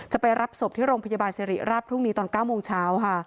จะไปรับศพที่โรงพยาบาลสิริราชพรุ่งนี้ตอน๙โมงเช้าค่ะ